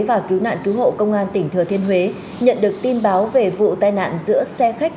và cứu nạn cứu hộ công an tỉnh thừa thiên huế nhận được tin báo về vụ tai nạn giữa xe khách